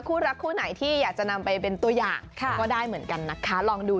คู่รักคู่ไหนที่อยากจะนำไปเป็นตัวอย่างก็ได้เหมือนกันนะคะลองดู